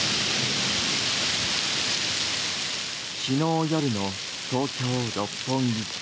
昨日夜の東京・六本木。